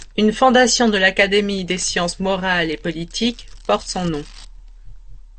Une fondation de l'Académie des sciences morales et politiques porte son nom.